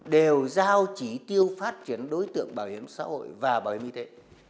đều giao chỉ tiêu phát triển đối tượng bảo hiểm xã hội và bảo hiểm y tế